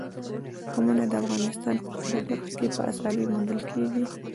قومونه د افغانستان په هره برخه کې په اسانۍ موندل کېږي.